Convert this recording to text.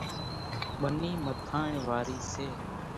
ٻنِي مٿاڻ وارِي سي۔